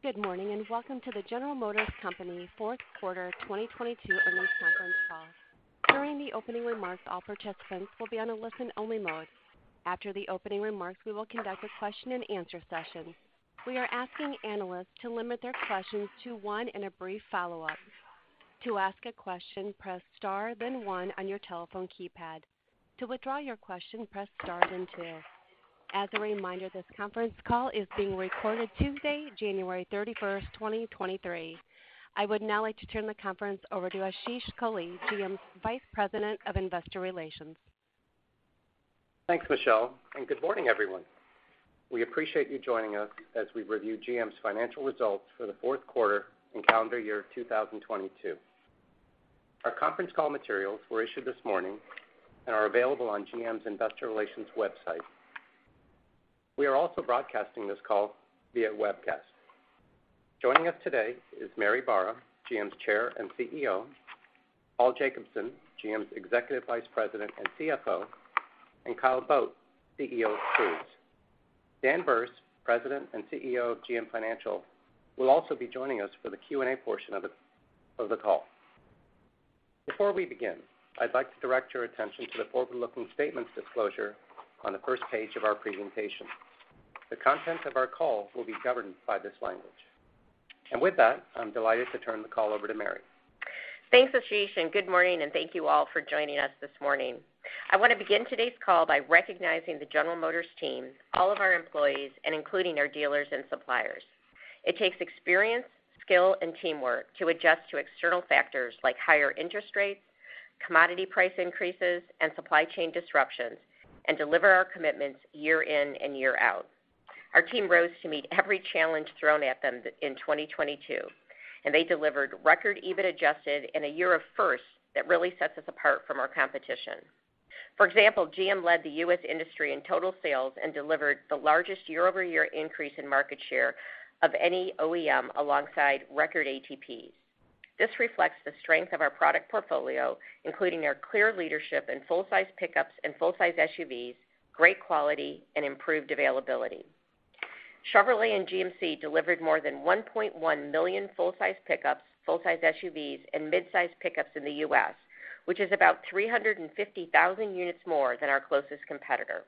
Good morning, and welcome to the General Motors Company fourth quarter 2022 earnings conference call. During the opening remarks, all participants will be on a listen-only mode. After the opening remarks, we will conduct a question-and-answer session. We are asking analysts to limit their questions to one and a brief follow-up. To ask a question, press star then one on your telephone keypad. To withdraw your question, press star then two. As a reminder, this conference call is being recorded Tuesday, January 31st, 2023. I would now like to turn the conference over to Ashish Kohli, GM's Vice President of Investor Relations. Thanks, Michelle, good morning, everyone. We appreciate you joining us as we review GM's financial results for the fourth quarter and calendar year 2022. Our conference call materials were issued this morning and are available on GM's investor relations website. We are also broadcasting this call via webcast. Joining us today is Mary Barra, GM's Chair and CEO, Paul Jacobson, GM's Executive Vice President and CFO, and Kyle Vogt, CEO of Cruise. Dan Berce, President and CEO of GM Financial, will also be joining us for the Q&A portion of the call. Before we begin, I'd like to direct your attention to the forward-looking statements disclosure on the first page of our presentation. The contents of our call will be governed by this language. With that, I'm delighted to turn the call over to Mary. Thanks, Ashish, good morning, and thank you all for joining us this morning. I want to begin today's call by recognizing the General Motors team, all of our employees, and including our dealers and suppliers. It takes experience, skill, and teamwork to adjust to external factors like higher interest rates, commodity price increases, and supply chain disruptions, and deliver our commitments year in and year out. Our team rose to meet every challenge thrown at them in 2022, they delivered record EBIT-adjusted in a year of firsts that really sets us apart from our competition. For example, GM led the U.S. industry in total sales and delivered the largest year-over-year increase in market share of any OEM alongside record ATPs. This reflects the strength of our product portfolio, including our clear leadership in full-size pickups and full-size SUVs, great quality, and improved availability. Chevrolet and GMC delivered more than 1.1 million full-size pickups, full-size SUVs, and midsize pickups in the U.S., which is about 350,000 units more than our closest competitor.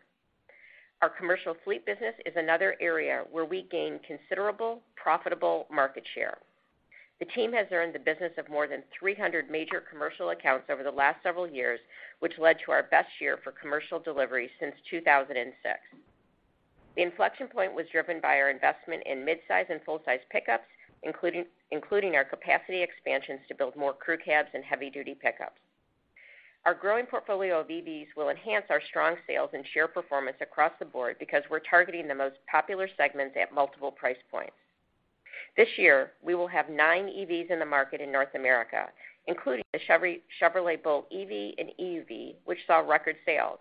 Our commercial fleet business is another area where we gain considerable profitable market share. The team has earned the business of more than 300 major commercial accounts over the last several years, which led to our best year for commercial delivery since 2006. The inflection point was driven by our investment in mid-size and full-size pickups, including our capacity expansions to build more crew cabs and heavy-duty pickups. Our growing portfolio of EVs will enhance our strong sales and share performance across the board because we're targeting the most popular segments at multiple price points. This year, we will have nine EVs in the market in North America, including the Chevrolet Bolt EV and EUV, which saw record sales.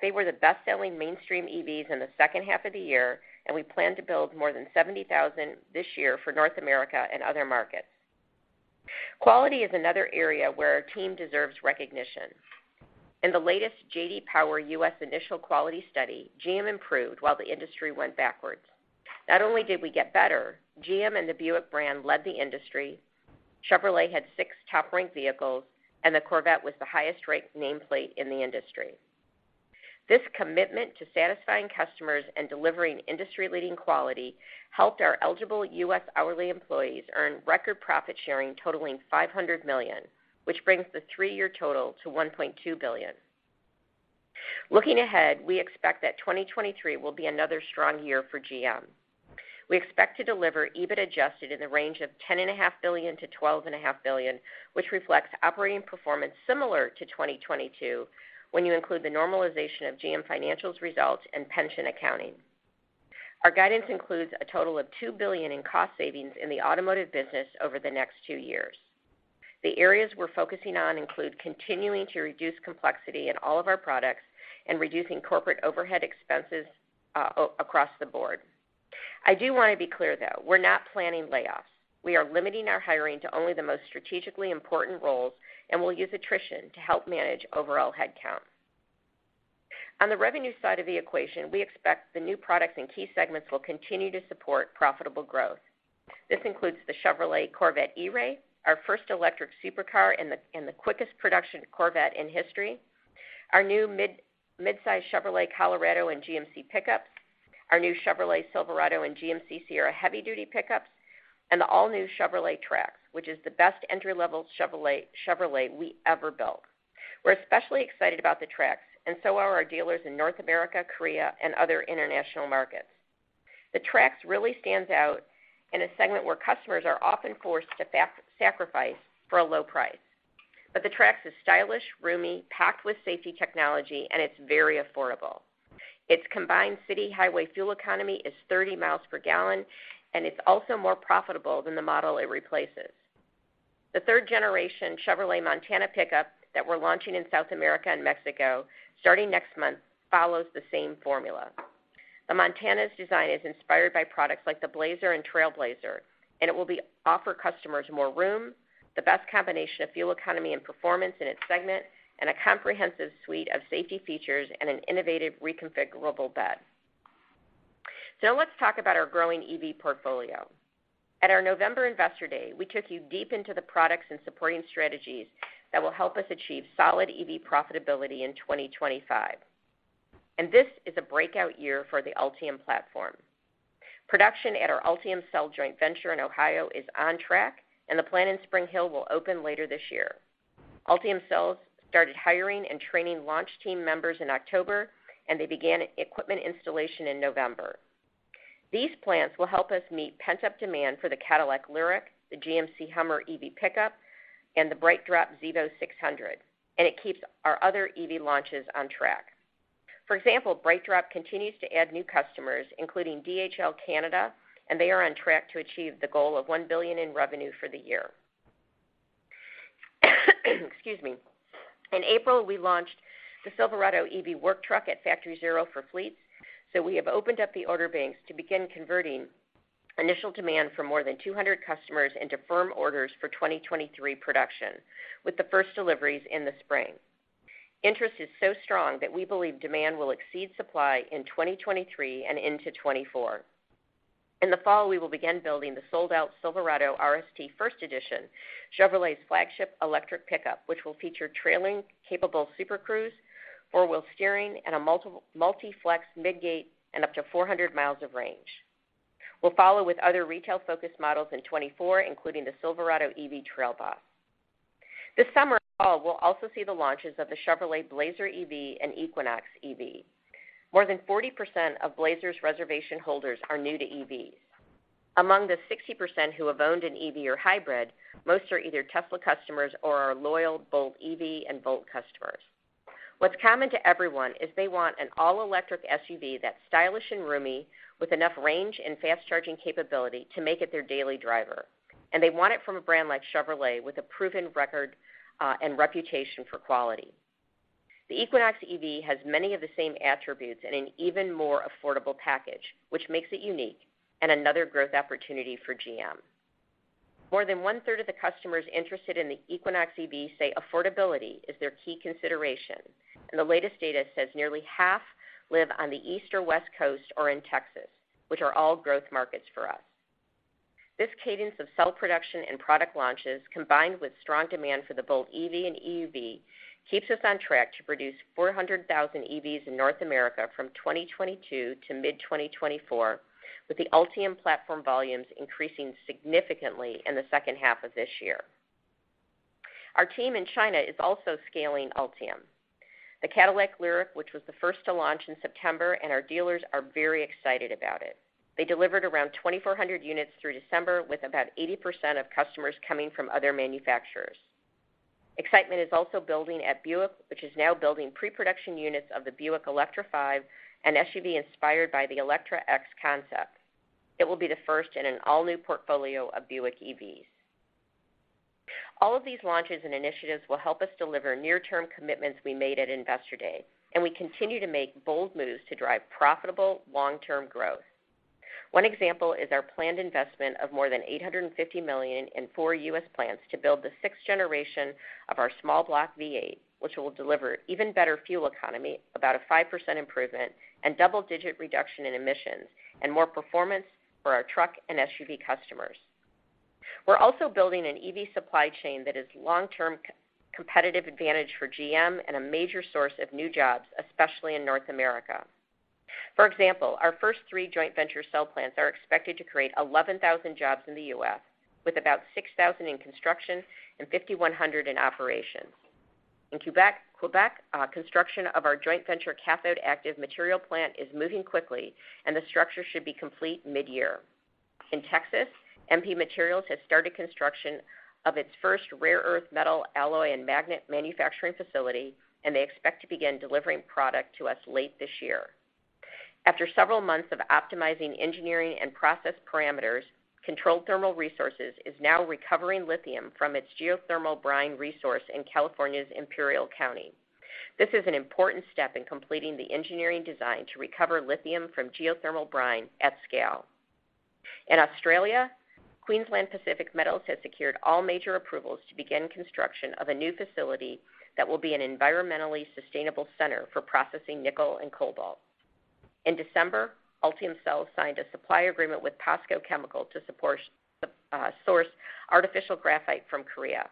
They were the best-selling mainstream EVs in the second half of the year, and we plan to build more than 70,000 this year for North America and other markets. Quality is another area where our team deserves recognition. In the latest J.D. Power U.S. initial quality study, GM improved while the industry went backwards. Not only did we get better, GM and the Buick brand led the industry, Chevrolet had six top-ranked vehicles, and the Corvette was the highest-ranked nameplate in the industry. This commitment to satisfying customers and delivering industry-leading quality helped our eligible U.S. hourly employees earn record profit sharing totaling $500 million, which brings the three-year total to $1.2 billion. Looking ahead, we expect that 2023 will be another strong year for GM. We expect to deliver EBIT-adjusted in the range of $10.5 billion-$12.5 billion, which reflects operating performance similar to 2022 when you include the normalization of GM Financial's results and pension accounting. Our guidance includes a total of $2 billion in cost savings in the automotive business over the next two years. The areas we're focusing on include continuing to reduce complexity in all of our products and reducing corporate overhead expenses across the board. I do want to be clear, though, we're not planning layoffs. We are limiting our hiring to only the most strategically important roles, and we'll use attrition to help manage overall headcount. On the revenue side of the equation, we expect the new products in key segments will continue to support profitable growth. This includes the Chevrolet Corvette E-Ray, our first electric supercar and the quickest production Corvette in history, our new mid-size Chevrolet Colorado and GMC pickups, our new Chevrolet Silverado and GMC Sierra heavy-duty pickups, and the all-new Chevrolet Trax, which is the best entry-level Chevrolet we ever built. We're especially excited about the Trax, and so are our dealers in North America, Korea, and other international markets. The Trax really stands out in a segment where customers are often forced to sacrifice for a low price. But the Trax is stylish, roomy, packed with safety technology, and it's very affordable. Its combined city highway fuel economy is 30 mi per gallon, and it's also more profitable than the model it replaces. The third-generation Chevrolet Montana pickup that we're launching in South America and Mexico starting next month follows the same formula. The Montana's design is inspired by products like the Blazer and Trailblazer, and it will offer customers more room, the best combination of fuel economy and performance in its segment, and a comprehensive suite of safety features and an innovative reconfigurable bed. Let's talk about our growing EV portfolio. At our November Investor Day, we took you deep into the products and supporting strategies that will help us achieve solid EV profitability in 2025. This is a breakout year for the Ultium platform. Production at our Ultium Cells joint venture in Ohio is on track, and the plant in Spring Hill will open later this year. Ultium Cells started hiring and training launch team members in October, and they began equipment installation in November. These plants will help us meet pent-up demand for the Cadillac LYRIQ, the GMC HUMMER EV pickup, and the BrightDrop Zevo 600. It keeps our other EV launches on track. For example, BrightDrop continues to add new customers, including DHL Canada. They are on track to achieve the goal of $1 billion in revenue for the year. Excuse me. In April, we launched the Silverado EV work truck at Factory ZERO for fleets. We have opened up the order banks to begin converting initial demand for more than 200 customers into firm orders for 2023 production, with the first deliveries in the spring. Interest is so strong that we believe demand will exceed supply in 2023 and into 2024. In the fall, we will begin building the sold-out Silverado RST First Edition, Chevrolet's flagship electric pickup, which will feature trailering-capable Super Cruise, four-wheel steering, and a Multi-Flex Midgate, and up to 400 mi of range. We'll follow with other retail-focused models in 2024, including the Silverado EV Trail Boss. This summer and fall, we'll also see the launches of the Chevrolet Blazer EV and Equinox EV. More than 40% of Blazer's reservation holders are new to EVs. Among the 60% who have owned an EV or hybrid, most are either Tesla customers or are loyal Bolt EV and Volt customers. What's common to everyone is they want an all-electric SUV that's stylish and roomy with enough range and fast-charging capability to make it their daily driver, and they want it from a brand like Chevrolet with a proven record and reputation for quality. The Equinox EV has many of the same attributes in an even more affordable package, which makes it unique and another growth opportunity for GM. More than 1/3 of the customers interested in the Equinox EV say affordability is their key consideration, and the latest data says nearly half live on the East or West Coast or in Texas, which are all growth markets for us. This cadence of cell production and product launches, combined with strong demand for the Bolt EV and EUV, keeps us on track to produce 400,000 EVs in North America from 2022 to mid-2024, with the Ultium platform volumes increasing significantly in the second half of this year. Our team in China is also scaling Ultium. The Cadillac LYRIQ, which was the first to launch in September, our dealers are very excited about it. They delivered around 2,400 units through December, with about 80% of customers coming from other manufacturers. Excitement is also building at Buick, which is now building pre-production units of the Buick Electra 5, an SUV inspired by the Electra-X concept. It will be the first in an all-new portfolio of Buick EVs. All of these launches and initiatives will help us deliver near-term commitments we made at Investor Day. We continue to make bold moves to drive profitable long-term growth. One example is our planned investment of more than $850 million in four U.S. plants to build the sixth generation of our small-block V-8, which will deliver even better fuel economy, about a 5% improvement and double-digit reduction in emissions, and more performance for our truck and SUV customers. We're also building an EV supply chain that is long-term competitive advantage for GM and a major source of new jobs, especially in North America. For example, our first three joint venture cell plants are expected to create 11,000 jobs in the U.S., with about 6,000 in construction and 5,100 in operations. In Quebec, construction of our joint venture cathode active material plant is moving quickly, and the structure should be complete mid-year. In Texas, MP Materials has started construction of its first rare earth metal alloy and magnet manufacturing facility, and they expect to begin delivering product to us late this year. After several months of optimizing engineering and process parameters, Controlled Thermal Resources is now recovering lithium from its geothermal brine resource in California's Imperial County. This is an important step in completing the engineering design to recover lithium from geothermal brine at scale. In Australia, Queensland Pacific Metals has secured all major approvals to begin construction of a new facility that will be an environmentally sustainable center for processing nickel and cobalt. In December, Ultium Cells signed a supply agreement with POSCO Chemical to support source artificial graphite from Korea.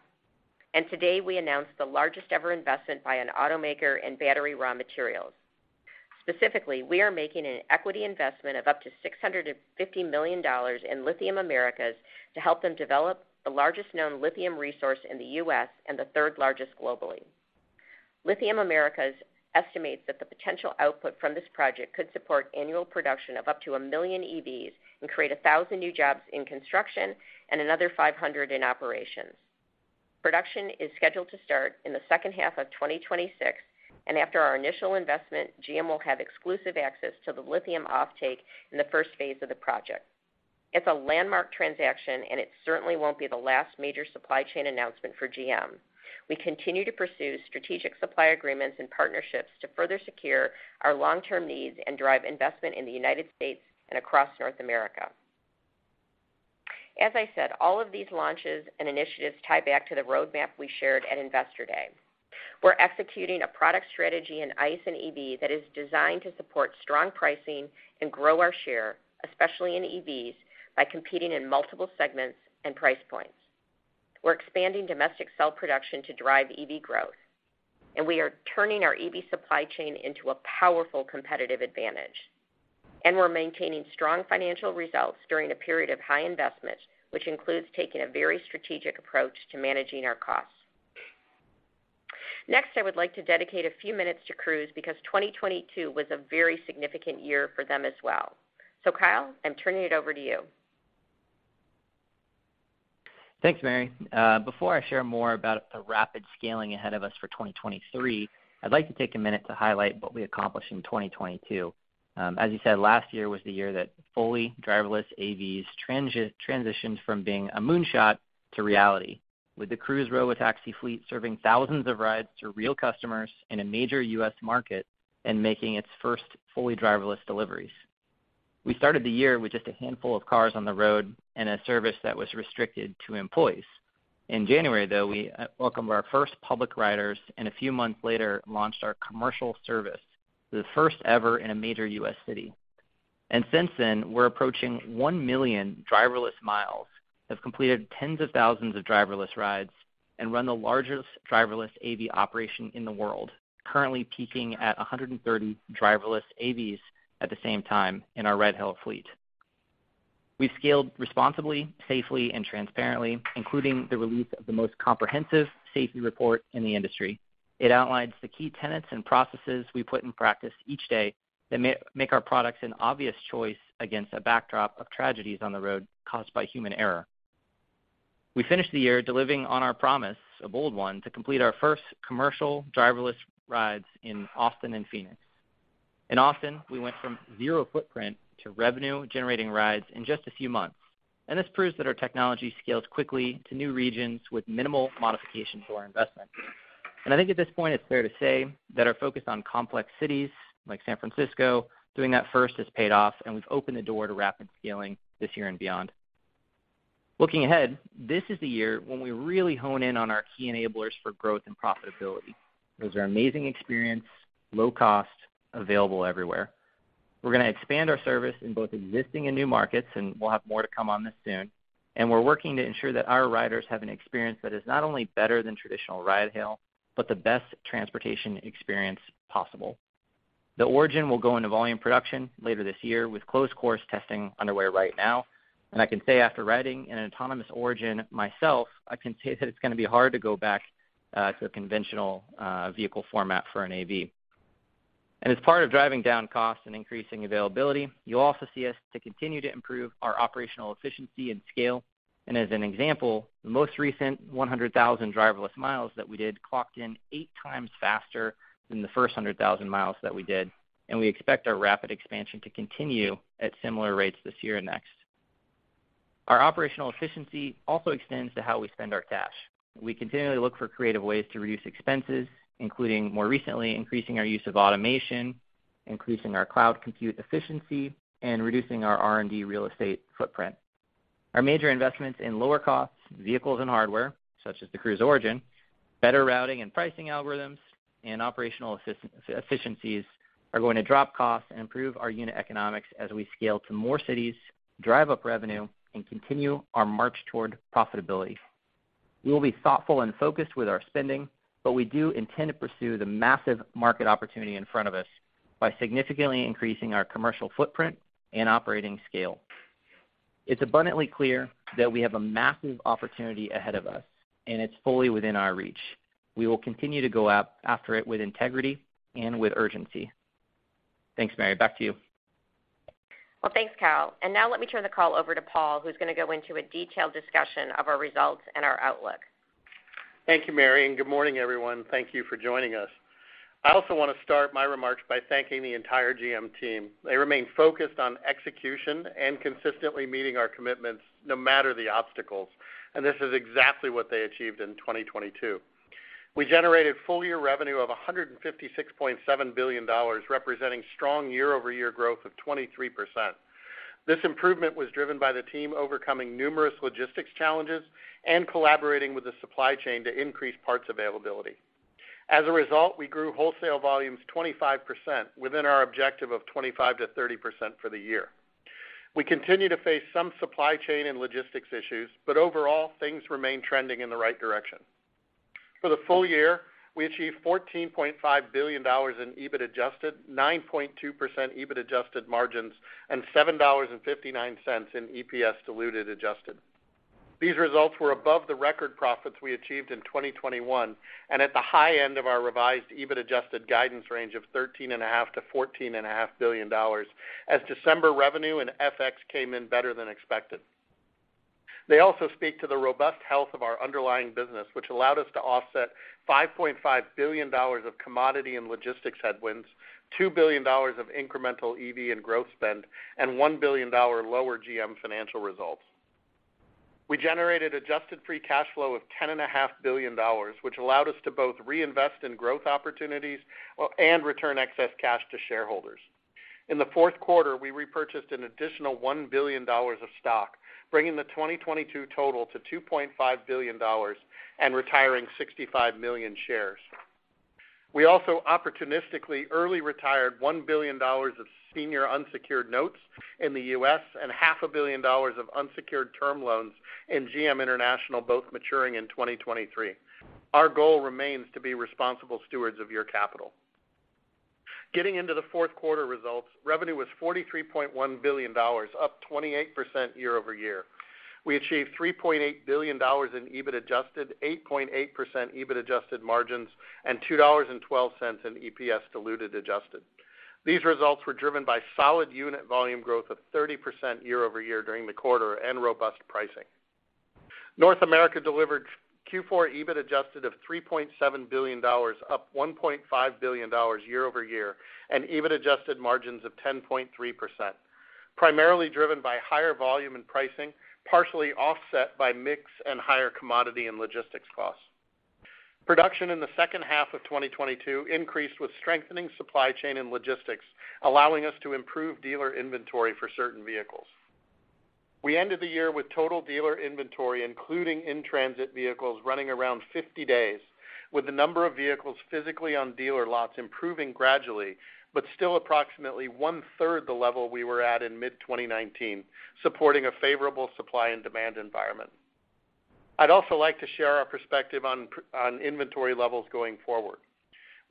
Today, we announced the largest ever investment by an automaker in battery raw materials. Specifically, we are making an equity investment of up to $650 million in Lithium Americas to help them develop the largest known lithium resource in the U.S. and the third largest globally. Lithium Americas estimates that the potential output from this project could support annual production of up to 1 million EVs and create 1,000 new jobs in construction and another 500 in operations. Production is scheduled to start in the second half of 2026. After our initial investment, GM will have exclusive access to the lithium offtake in the first phase of the project. It's a landmark transaction. It certainly won't be the last major supply chain announcement for GM. We continue to pursue strategic supply agreements and partnerships to further secure our long-term needs and drive investment in the United States and across North America. As I said, all of these launches and initiatives tie back to the roadmap we shared at Investor Day. We're executing a product strategy in ICE and EV that is designed to support strong pricing and grow our share, especially in EVs, by competing in multiple segments and price points. We're expanding domestic cell production to drive EV growth, and we are turning our EV supply chain into a powerful competitive advantage. We're maintaining strong financial results during a period of high investment, which includes taking a very strategic approach to managing our costs. Next, I would like to dedicate a few minutes to Cruise because 2022 was a very significant year for them as well. Kyle, I'm turning it over to you. Thanks, Mary. Before I share more about the rapid scaling ahead of us for 2023, I'd like to take a minute to highlight what we accomplished in 2022. As you said, last year was the year that fully driverless AVs transitioned from being a moonshot to reality, with the Cruise Robotaxi fleet serving thousands of rides to real customers in a major U.S. market and making its first fully driverless deliveries. We started the year with just a handful of cars on the road and a service that was restricted to employees. In January, though, we welcomed our first public riders, and a few months later, launched our commercial service, the first ever in a major U.S. city. Since then, we're approaching 1 million driverless miles, have completed tens of thousands of driverless rides, and run the largest driverless AV operation in the world, currently peaking at 130 driverless AVs at the same time in our Red Hill fleet. We've scaled responsibly, safely, and transparently, including the release of the most comprehensive safety report in the industry. It outlines the key tenets and processes we put in practice each day that make our products an obvious choice against a backdrop of tragedies on the road caused by human error. We finished the year delivering on our promise, a bold one, to complete our first commercial driverless rides in Austin and Phoenix. In Austin, we went from zero footprint to revenue-generating rides in just a few months. This proves that our technology scales quickly to new regions with minimal modification to our investment. I think at this point, it's fair to say that our focus on complex cities like San Francisco, doing that first has paid off, and we've opened the door to rapid scaling this year and beyond. Looking ahead, this is the year when we really hone in on our key enablers for growth and profitability. Those are amazing experience, low cost, available everywhere. We're gonna expand our service in both existing and new markets, and we'll have more to come on this soon. We're working to ensure that our riders have an experience that is not only better than traditional ride hail, but the best transportation experience possible. The Origin will go into volume production later this year with closed course testing underway right now. I can say after riding an autonomous Origin myself, I can say that it's gonna be hard to go back to a conventional vehicle format for an AV. As part of driving down costs and increasing availability, you'll also see us to continue to improve our operational efficiency and scale. As an example, the most recent 100,000 mi driverless that we did clocked in 8x faster than the first 100,000 mi that we did, and we expect our rapid expansion to continue at similar rates this year and next. Our operational efficiency also extends to how we spend our cash. We continually look for creative ways to reduce expenses, including, more recently, increasing our use of automation, increasing our cloud compute efficiency, and reducing our R&D real estate footprint. Our major investments in lower costs, vehicles and hardware, such as the Cruise Origin, better routing and pricing algorithms, and operational efficiencies are going to drop costs and improve our unit economics as we scale to more cities, drive up revenue, and continue our march toward profitability. We will be thoughtful and focused with our spending, but we do intend to pursue the massive market opportunity in front of us by significantly increasing our commercial footprint and operating scale. It's abundantly clear that we have a massive opportunity ahead of us, and it's fully within our reach. We will continue to go after it with integrity and with urgency. Thanks, Mary. Back to you. Well, thanks, Kyle. Now let me turn the call over to Paul, who's gonna go into a detailed discussion of our results and our outlook. Thank you, Mary, and good morning, everyone. Thank you for joining us. I also wanna start my remarks by thanking the entire GM team. They remain focused on execution and consistently meeting our commitments no matter the obstacles, and this is exactly what they achieved in 2022. We generated full year revenue of $156.7 billion, representing strong year-over-year growth of 23%. This improvement was driven by the team overcoming numerous logistics challenges and collaborating with the supply chain to increase parts availability. As a result, we grew wholesale volumes 25% within our objective of 25%-30% for the year. We continue to face some supply chain and logistics issues, but overall things remain trending in the right direction. For the full year, we achieved $14.5 billion in EBIT-adjusted, 9.2% EBIT-adjusted margins, and $7.59 in EPS-diluted-adjusted. These results were above the record profits we achieved in 2021 and at the high end of our revised EBIT-adjusted guidance range of $13.5 billion-$14.5 billion as December revenue and FX came in better than expected. They also speak to the robust health of our underlying business, which allowed us to offset $5.5 billion of commodity and logistics headwinds, $2 billion of incremental EV and growth spend, and $1 billion lower GM Financial results. We generated adjusted free cash flow of $10.5 billion, which allowed us to both reinvest in growth opportunities and return excess cash to shareholders. In the fourth quarter, we repurchased an additional $1 billion of stock, bringing the 2022 total to $2.5 billion and retiring 65 million shares. We also opportunistically early retired $1 billion of senior unsecured notes in the U.S. and $500 million of unsecured term loans in GM International, both maturing in 2023. Our goal remains to be responsible stewards of your capital. Getting into the fourth quarter results, revenue was $43.1 billion, up 28% year-over-year. We achieved $3.8 billion in EBIT-adjusted, 8.8% EBIT-adjusted margins, and $2.12 in EPS-diluted-adjusted. These results were driven by solid unit volume growth of 30% year-over-year during the quarter and robust pricing. North America delivered Q4 EBIT-adjusted of $3.7 billion, up $1.5 billion year-over-year, and EBIT-adjusted margins of 10.3%, primarily driven by higher volume and pricing, partially offset by mix and higher commodity and logistics costs. Production in the second half of 2022 increased with strengthening supply chain and logistics, allowing us to improve dealer inventory for certain vehicles. We ended the year with total dealer inventory, including in-transit vehicles, running around 50 days, with the number of vehicles physically on dealer lots improving gradually, but still approximately 1/3 the level we were at in mid-2019, supporting a favorable supply and demand environment. I'd also like to share our perspective on inventory levels going forward.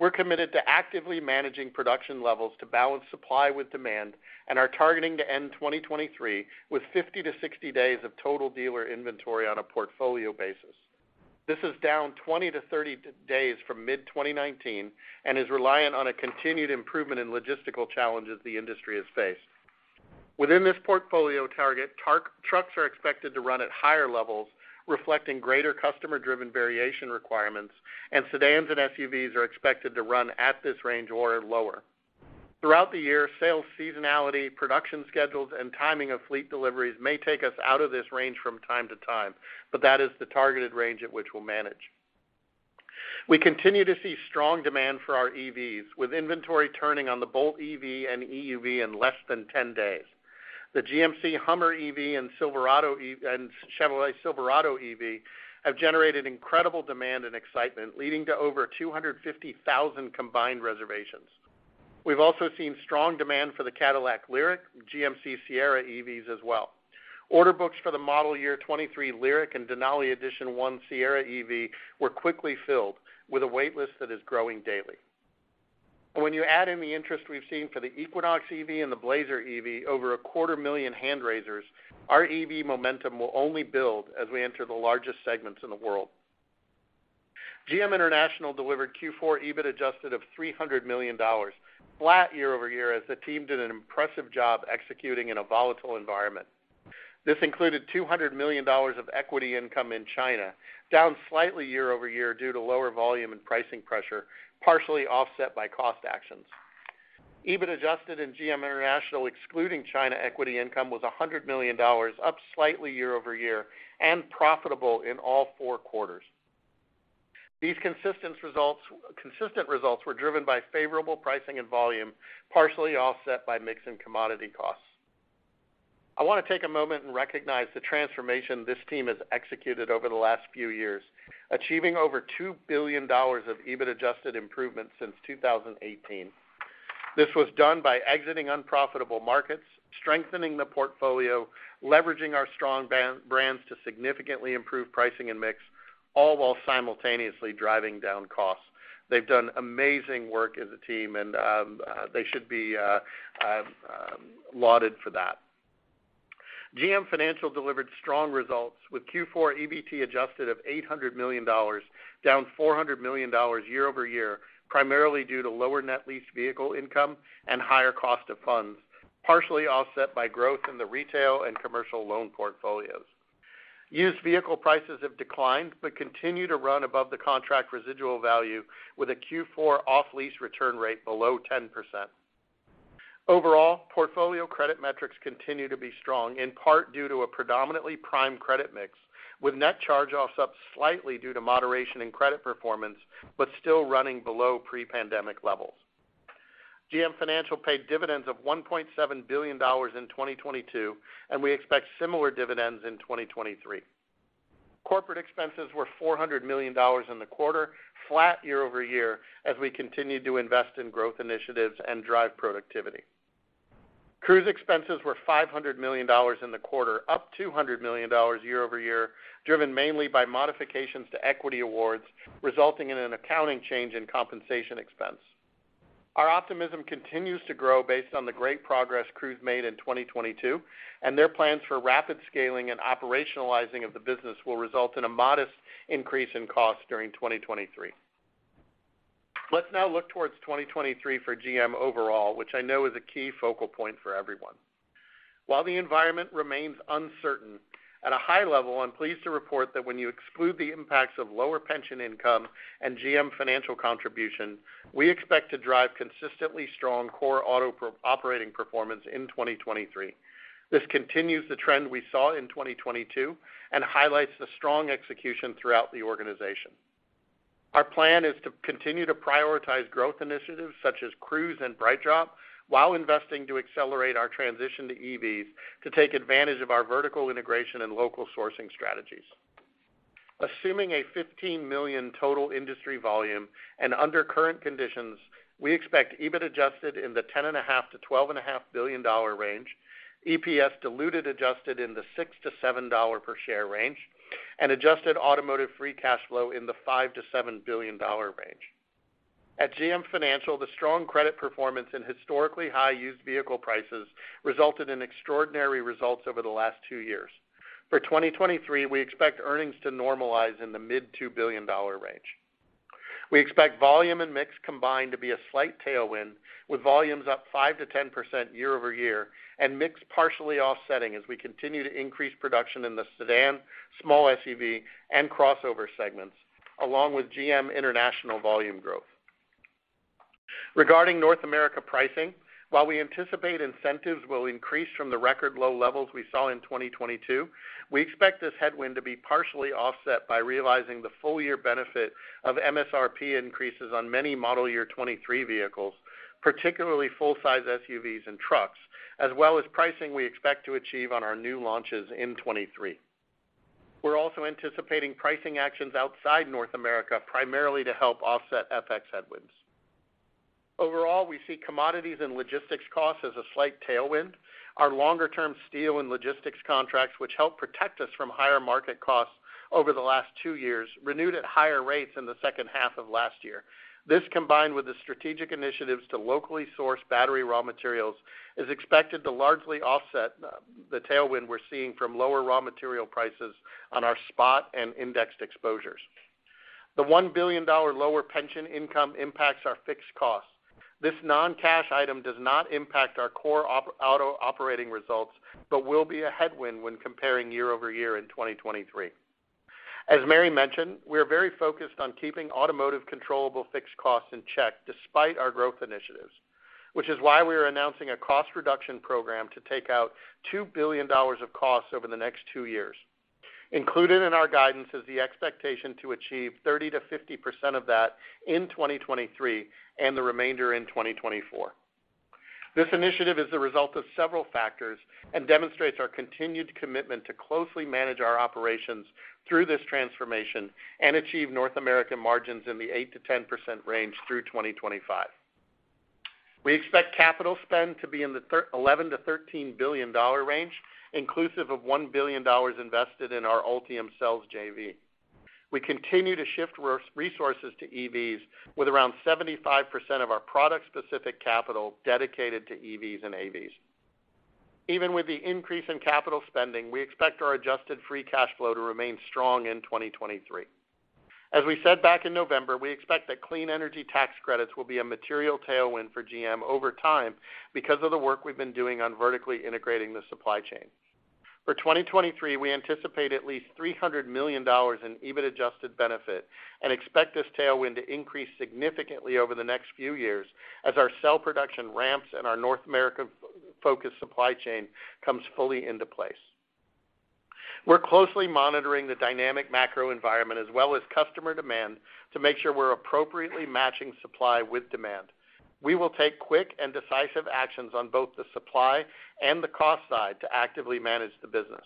We're committed to actively managing production levels to balance supply with demand and are targeting to end 2023 with 50-60 days of total dealer inventory on a portfolio basis. This is down 20-30 days from mid-2019 and is reliant on a continued improvement in logistical challenges the industry has faced. Within this portfolio target, trucks are expected to run at higher levels, reflecting greater customer-driven variation requirements, and sedans and SUVs are expected to run at this range or lower. Throughout the year, sales seasonality, production schedules, and timing of fleet deliveries may take us out of this range from time to time, but that is the targeted range at which we'll manage. We continue to see strong demand for our EVs, with inventory turning on the Bolt EV and EUV in less than 10 days. The GMC HUMMER EV and Chevrolet Silverado EV have generated incredible demand and excitement, leading to over 250,000 combined reservations. We've also seen strong demand for the Cadillac LYRIQ, GMC Sierra EVs as well. Order books for the model year 2023 LYRIQ and Denali Edition 1 Sierra EV were quickly filled, with a wait list that is growing daily. When you add in the interest we've seen for the Equinox EV and the Blazer EV, over 250,000 hand raisers, our EV momentum will only build as we enter the largest segments in the world. GM International delivered Q4 EBIT-adjusted of $300 million, flat year-over-year as the team did an impressive job executing in a volatile environment. This included $200 million of equity income in China, down slightly year-over-year due to lower volume and pricing pressure, partially offset by cost actions. EBIT-adjusted in GM International, excluding China equity income, was $100 million, up slightly year-over-year and profitable in all four quarters. These consistent results were driven by favorable pricing and volume, partially offset by mix and commodity costs. I want to take a moment and recognize the transformation this team has executed over the last few years, achieving over $2 billion of EBIT-adjusted improvements since 2018. This was done by exiting unprofitable markets, strengthening the portfolio, leveraging our strong brands to significantly improve pricing and mix, all while simultaneously driving down costs. They've done amazing work as a team and they should be lauded for that. GM Financial delivered strong results with Q4 EBT-adjusted of $800 million, down $400 million year-over-year, primarily due to lower net leased vehicle income and higher cost of funds, partially offset by growth in the retail and commercial loan portfolios. Used vehicle prices have declined but continue to run above the contract residual value with a Q4 off-lease return rate below 10%. Overall, portfolio credit metrics continue to be strong, in part due to a predominantly prime credit mix, with net charge-offs up slightly due to moderation in credit performance but still running below pre-pandemic levels. GM Financial paid dividends of $1.7 billion in 2022, we expect similar dividends in 2023. Corporate expenses were $400 million in the quarter, flat year-over-year as we continued to invest in growth initiatives and drive productivity. Cruise expenses were $500 million in the quarter, up $200 million year-over-year, driven mainly by modifications to equity awards, resulting in an accounting change in compensation expense. Our optimism continues to grow based on the great progress Cruise made in 2022 and their plans for rapid scaling and operationalizing of the business will result in a modest increase in cost during 2023. Let's now look towards 2023 for GM overall, which I know is a key focal point for everyone. While the environment remains uncertain, at a high level, I'm pleased to report that when you exclude the impacts of lower pension income and GM Financial contribution, we expect to drive consistently strong core auto operating performance in 2023. This continues the trend we saw in 2022 and highlights the strong execution throughout the organization. Our plan is to continue to prioritize growth initiatives such as Cruise and BrightDrop while investing to accelerate our transition to EVs to take advantage of our vertical integration and local sourcing strategies. Assuming a 15 million total industry volume and under current conditions, we expect EBIT-adjusted in the $10.5 billion-$12.5 billion range, EPS-diluted-adjusted in the $6-$7 per share range, and adjusted automotive free cash flow in the $5 billion-$7 billion range. At GM Financial, the strong credit performance and historically high used vehicle prices resulted in extraordinary results over the last two years. For 2023, we expect earnings to normalize in the mid-$2 billion range. We expect volume and mix combined to be a slight tailwind, with volumes up 5%-10% year-over-year and mix partially offsetting as we continue to increase production in the sedan, small SUV, and crossover segments, along with GM International volume growth. Regarding North America pricing, while we anticipate incentives will increase from the record low levels we saw in 2022, we expect this headwind to be partially offset by realizing the full year benefit of MSRP increases on many model year 2023 vehicles, particularly full-size SUVs and trucks, as well as pricing we expect to achieve on our new launches in 2023. We're also anticipating pricing actions outside North America primarily to help offset FX headwinds. Overall, we see commodities and logistics costs as a slight tailwind. Our longer-term steel and logistics contracts, which help protect us from higher market costs over the last two years, renewed at higher rates in the second half of last year. This, combined with the strategic initiatives to locally source battery raw materials, is expected to largely offset the tailwind we're seeing from lower raw material prices on our spot and indexed exposures. The $1 billion lower pension income impacts our fixed costs. This non-cash item does not impact our core auto operating results, but will be a headwind when comparing year-over-year in 2023. As Mary mentioned, we are very focused on keeping automotive controllable fixed costs in check despite our growth initiatives, which is why we are announcing a cost reduction program to take out $2 billion of costs over the next two years. Included in our guidance is the expectation to achieve 30%-50% of that in 2023 and the remainder in 2024. This initiative is the result of several factors and demonstrates our continued commitment to closely manage our operations through this transformation and achieve North American margins in the 8%-10% range through 2025. We expect capital spend to be in the $11 billion-$13 billion range, inclusive of $1 billion invested in our Ultium Cells JV. We continue to shift resources to EVs with around 75% of our product-specific capital dedicated to EVs and AVs. Even with the increase in capital spending, we expect our adjusted free cash flow to remain strong in 2023. As we said back in November, we expect that clean energy tax credits will be a material tailwind for GM over time because of the work we've been doing on vertically integrating the supply chain. For 2023, we anticipate at least $300 million in EBIT-adjusted benefit and expect this tailwind to increase significantly over the next few years as our cell production ramps and our North America focused supply chain comes fully into place. We're closely monitoring the dynamic macro environment as well as customer demand to make sure we're appropriately matching supply with demand. We will take quick and decisive actions on both the supply and the cost side to actively manage the business.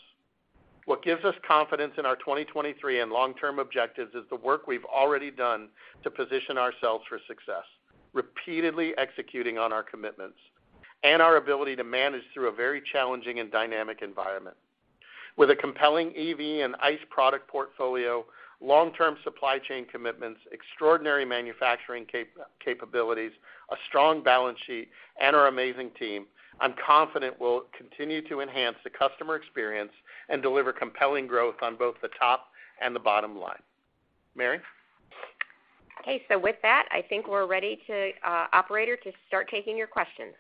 What gives us confidence in our 2023 and long-term objectives is the work we've already done to position ourselves for success, repeatedly executing on our commitments, and our ability to manage through a very challenging and dynamic environment. With a compelling EV and ICE product portfolio, long-term supply chain commitments, extraordinary manufacturing capabilities, a strong balance sheet, and our amazing team, I'm confident we'll continue to enhance the customer experience and deliver compelling growth on both the top and the bottom line. Mary? Okay. With that, I think we're ready to, operator, to start taking your questions.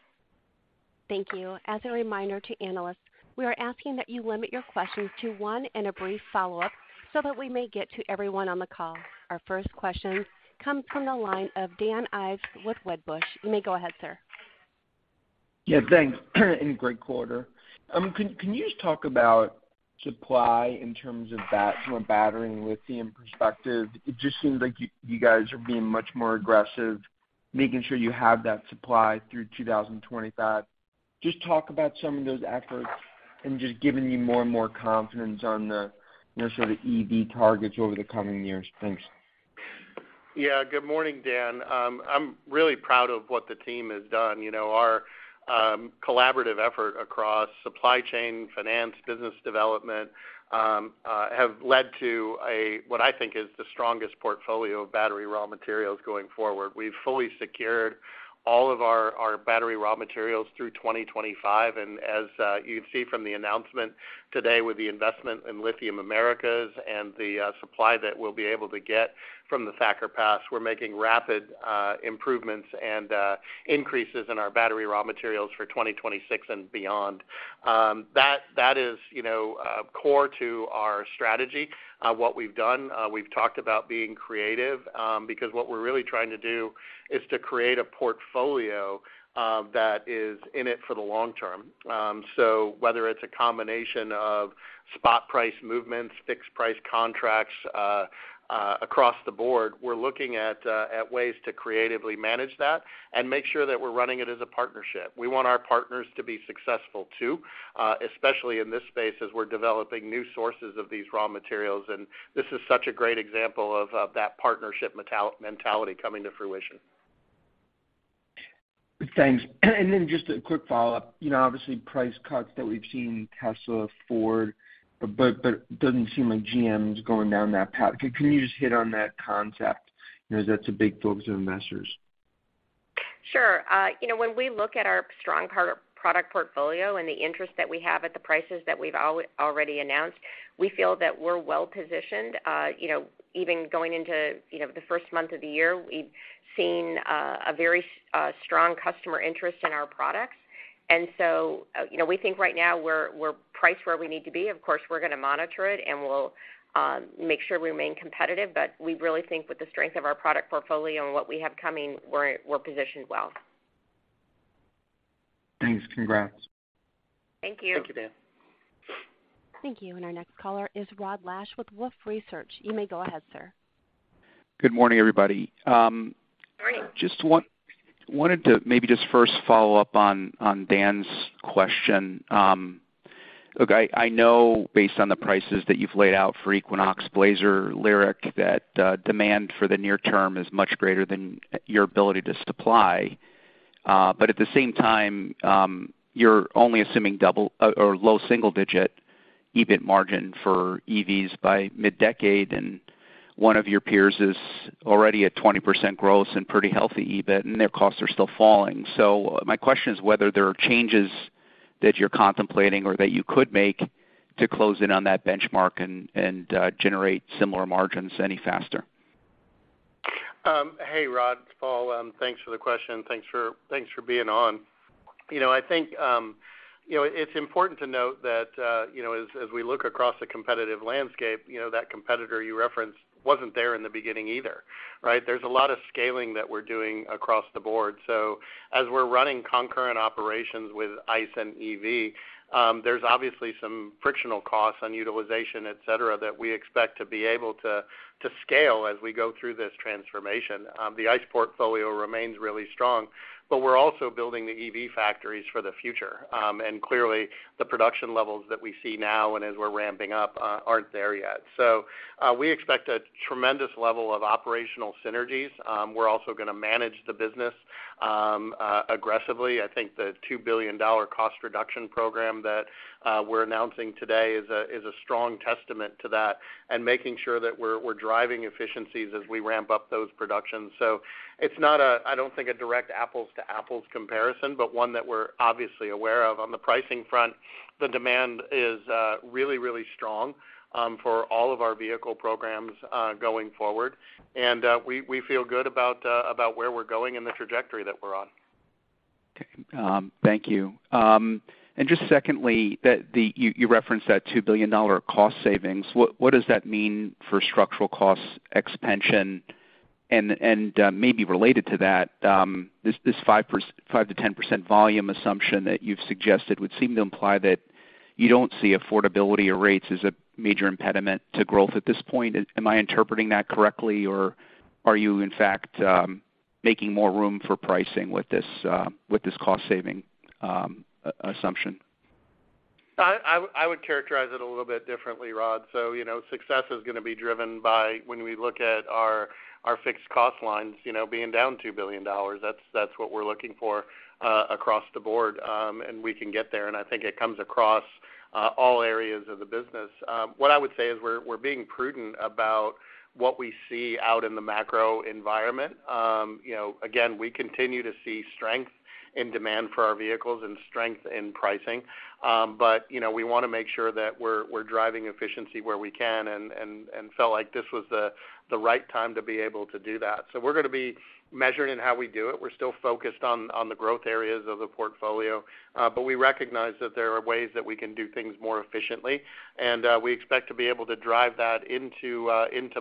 Thank you. As a reminder to analysts, we are asking that you limit your questions to one and a brief follow-up so that we may get to everyone on the call. Our first question comes from the line of Dan Ives with Wedbush. You may go ahead, sir. Yeah, thanks and great quarter. Can you just talk about supply in terms of from a battery and lithium perspective? It just seems like you guys are being much more aggressive, making sure you have that supply through 2025. Just talk about some of those efforts and just giving you more and more confidence on the, you know, sort of EV targets over the coming years? Thanks. Yeah. Good morning, Dan. I'm really proud of what the team has done. You know, our collaborative effort across supply chain, finance, business development, have led to what I think is the strongest portfolio of battery raw materials going forward. We've fully secured all of our battery raw materials through 2025. As you can see from the announcement today with the investment in Lithium Americas and the supply that we'll be able to get from the Thacker Pass, we're making rapid improvements and increases in our battery raw materials for 2026 and beyond. That is, you know, core to our strategy, what we've done. We've talked about being creative, because what we're really trying to do is to create a portfolio that is in it for the long-term. Whether it's a combination of spot price movements, fixed price contracts, across the board, we're looking at ways to creatively manage that and make sure that we're running it as a partnership. We want our partners to be successful too, especially in this space as we're developing new sources of these raw materials, and this is such a great example of that partnership metal mentality coming to fruition. Thanks. Then just a quick follow-up. You know, obviously, price cuts that we've seen Tesla, Ford, but doesn't seem like GM is going down that path. Can you just hit on that concept? You know, that's a big focus of investors. Sure. You know, when we look at our strong car product portfolio and the interest that we have at the prices that we've already announced, we feel that we're well-positioned. you know, even going into, you know, the first month of the year, we've seen a very strong customer interest in our products. You know, we think right now we're priced where we need to be. Of course, we're gonna monitor it, and we'll make sure we remain competitive. We really think with the strength of our product portfolio and what we have coming, we're positioned well. Thanks. Congrats. Thank you. Thank you, Dan. Thank you. Our next caller is Rod Lache with Wolfe Research. You may go ahead, sir. Good morning, everybody. Morning. Just wanted to maybe just first follow up on Dan's question. Look, I know based on the prices that you've laid out for Equinox, Blazer, LYRIQ, that demand for the near-term is much greater than your ability to supply. At the same time, you're only assuming double or low single-digit EBIT margin for EVs by mid-decade, and one of your peers is already at 20% gross and pretty healthy EBIT, and their costs are still falling. My question is whether there are changes that you're contemplating or that you could make to close in on that benchmark and generate similar margins any faster. Hey, Rod, it's Paul. Thanks for the question. Thanks for being on. You know, I think, you know, it's important to note that, as we look across the competitive landscape, you know, that competitor you referenced wasn't there in the beginning either, right? There's a lot of scaling that we're doing across the board. As we're running concurrent operations with ICE and EV, there's obviously some frictional costs on utilization, et cetera, that we expect to be able to scale as we go through this transformation. The ICE portfolio remains really strong, but we're also building the EV factories for the future. Clearly, the production levels that we see now and as we're ramping up, aren't there yet. We expect a tremendous level of operational synergies. We're also gonna manage the business aggressively. I think the $2 billion cost reduction program that we're announcing today is a strong testament to that and making sure that we're driving efficiencies as we ramp up those productions. It's not a, I don't think, a direct apples-to-apples comparison, but one that we're obviously aware of. On the pricing front, the demand is really, really strong for all of our vehicle programs going forward. We feel good about where we're going and the trajectory that we're on. Okay. Thank you. Just secondly, you referenced that $2 billion cost savings. What does that mean for structural costs ex pension? Maybe related to that, this 5%-10% volume assumption that you've suggested would seem to imply that you don't see affordability or rates as a major impediment to growth at this point. Am I interpreting that correctly, or are you in fact making more room for pricing with this cost saving assumption? I would characterize it a little bit differently, Rod. You know, success is gonna be driven by when we look at our fixed cost lines, you know, being down $2 billion. That's what we're looking for across the board. We can get there, and I think it comes across all areas of the business. What I would say is we're being prudent about what we see out in the macro environment. You know, again, we continue to see strength in demand for our vehicles and strength in pricing. You know, we wanna make sure that we're driving efficiency where we can and felt like this was the right time to be able to do that. We're gonna be measuring in how we do it. We're still focused on the growth areas of the portfolio. We recognize that there are ways that we can do things more efficiently, and we expect to be able to drive that into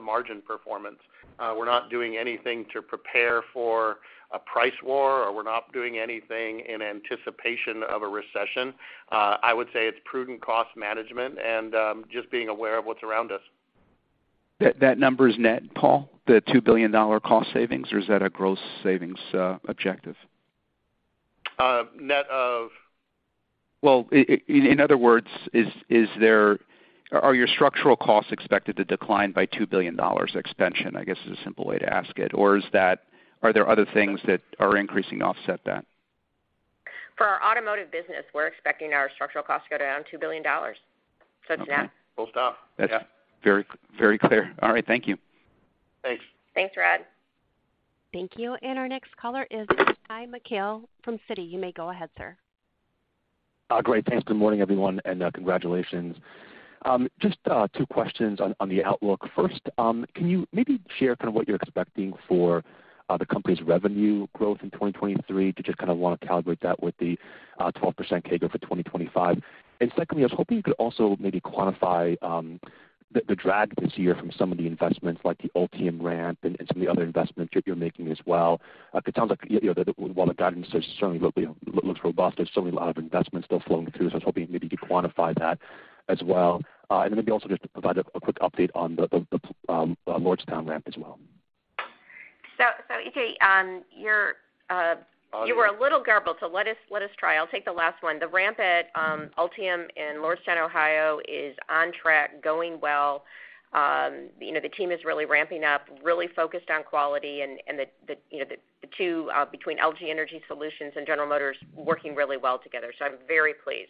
margin performance. We're not doing anything to prepare for a price war, or we're not doing anything in anticipation of a recession. I would say it's prudent cost management and just being aware of what's around us. That number is net, Paul, the $2 billion cost savings, or is that a gross savings objective? Net of? Well, in other words, is there are your structural costs expected to decline by $2 billion ex pension, I guess, is a simple way to ask it? Is that are there other things that are increasing to offset that? For our automotive business, we're expecting our structural costs to go down $2 billion. It's net. Full stop. Yeah. That's very, very clear. All right. Thank you. Thanks. Thanks, Rod. Thank you. Our next caller is Itay Michaeli from Citi. You may go ahead, sir. Great. Thanks. Good morning, everyone, congratulations. Just two questions on the outlook. First, can you maybe share kind of what you're expecting for the company's revenue growth in 2023 to just kind of wanna calibrate that with the 12% CAGR for 2025? Secondly, I was hoping you could also maybe quantify the drag this year from some of the investments like the Ultium ramp and some of the other investments you're making as well. It sounds like, you know, while the guidance is certainly looks robust, there's certainly a lot of investments still flowing through. I was hoping maybe you could quantify that as well. Maybe also just to provide a quick update on the Lordstown ramp as well. So Itay, you're, you were a little garbled, so let us try. I'll take the last one. The ramp at Ultium in Lordstown, Ohio, is on track, going well. You know, the team is really ramping up, really focused on quality and the, you know, the two between LG Energy Solution and General Motors working really well together. I'm very pleased.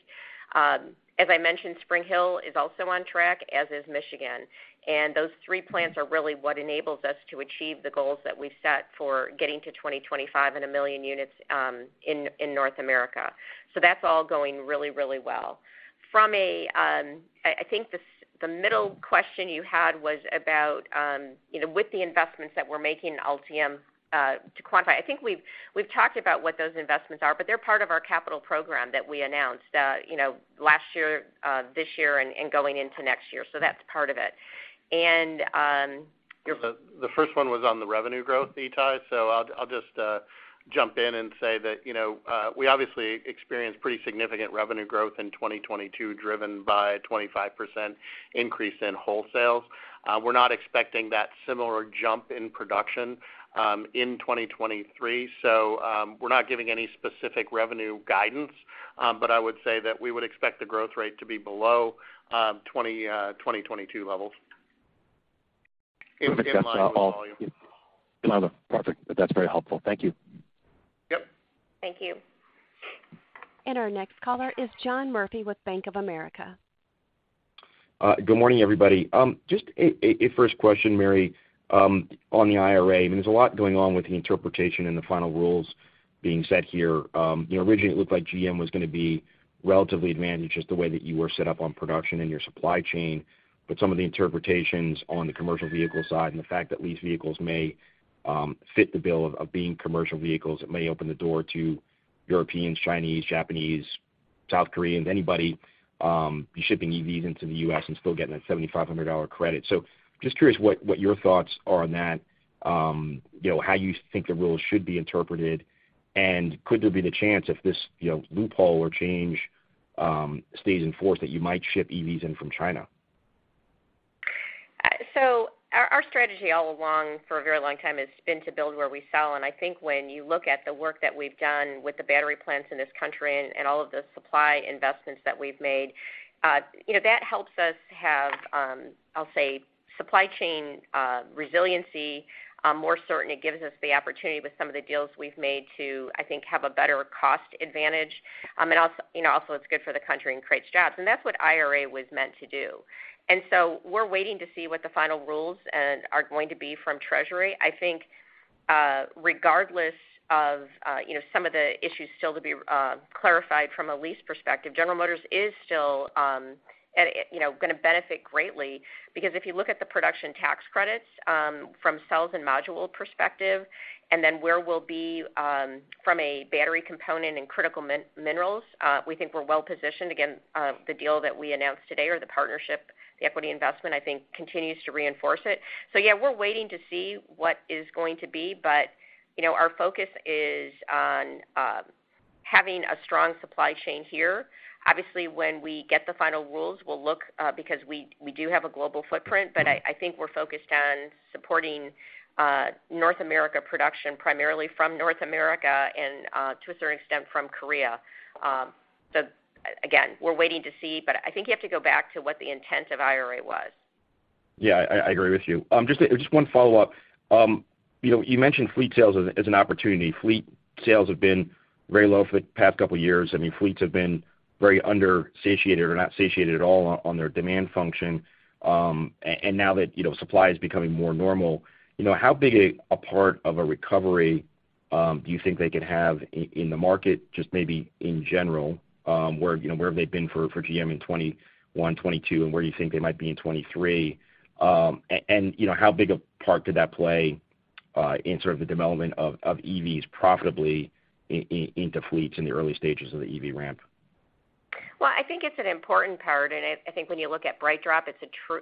As I mentioned, Spring Hill is also on track, as is Michigan. Those three plants are really what enables us to achieve the goals that we've set for getting to 2025 and 1 million units in North America. That's all going really, really well. From a... I think the middle question you had was about, you know, with the investments that we're making in Ultium, to quantify. I think we've talked about what those investments are, but they're part of our capital program that we announced, you know, last year, this year and going into next year, so that's part of it. The first one was on the revenue growth, Itay, so I'll just jump in and say that, you know, we obviously experienced pretty significant revenue growth in 2022, driven by a 25% increase in wholesales. We're not expecting that similar jump in production in 2023. We're not giving any specific revenue guidance, but I would say that we would expect the growth rate to be below 2022 levels. In line with volume. Perfect. That's very helpful. Thank you. Yep. Thank you. Our next caller is John Murphy with Bank of America. Good morning, everybody. Just a first question, Mary, on the IRA. I mean, there's a lot going on with the interpretation and the final rules being set here. You know, originally it looked like GM was gonna be relatively advantaged just the way that you were set up on production and your supply chain, but some of the interpretations on the commercial vehicle side and the fact that leased vehicles may fit the bill of being commercial vehicles, it may open the door to Europeans, Chinese, Japanese, South Koreans, anybody, be shipping EVs into the U.S. and still getting that $7,500 credit. Just curious what your thoughts are on that, you know, how you think the rules should be interpreted, and could there be the chance if this, you know, loophole or change, stays in force, that you might ship EVs in from China? Our strategy all along for a very long time has been to build where we sell. I think when you look at the work that we've done with the battery plants in this country and all of the supply investments that we've made, you know, that helps us have, I'll say, supply chain resiliency. More certainly it gives us the opportunity with some of the deals we've made to, I think, have a better cost advantage. Also, you know, also it's good for the country and creates jobs. That's what IRA was meant to do. We're waiting to see what the final rules are going to be from Treasury. I think, regardless of, you know, some of the issues still to be clarified from a lease perspective, General Motors is still, at, you know, gonna benefit greatly. If you look at the production tax credits, from cells and module perspective, and then where we'll be, from a battery component and critical minerals, we think we're well-positioned. Again, the deal that we announced today or the partnership, the equity investment, I think continues to reinforce it. Yeah, we're waiting to see what is going to be, but, you know, our focus is on, having a strong supply chain here. Obviously, when we get the final rules, we'll look, because we do have a global footprint. I think we're focused on supporting North America production primarily from North America and, to a certain extent from Korea. Again, we're waiting to see, but I think you have to go back to what the intent of IRA was. Yeah. I agree with you. Just one follow-up. You know, you mentioned fleet sales as an opportunity. Fleet sales have been very low for the past couple years. I mean, fleets have been very under satiated or not satiated at all on their demand function. Now that, you know, supply is becoming more normal, you know, how big a part of a recovery do you think they could have in the market, just maybe in general? Where, you know, where have they been for GM in 2021, 2022, and where do you think they might be in 2023? You know, how big a part did that play in sort of the development of EVs profitably into fleets in the early stages of the EV ramp? Well, I think it's an important part, and I think when you look at BrightDrop, it's